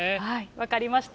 分かりました。